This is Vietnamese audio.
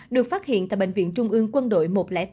được phát hiện tại bệnh viện trung ương quân đội một trăm linh tám